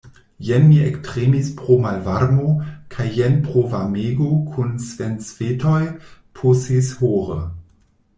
Jen mi ektremis pro malvarmo, kaj jen pro varmego kun svensvetoj, po seshore.